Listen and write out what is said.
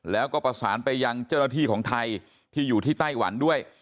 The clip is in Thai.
แล้วก็ประสานไปยังเจ้าหน้าที่ของไทยที่อยู่ที่ไต้หวันด้วย